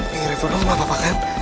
hey refah kamu gak apa apa kan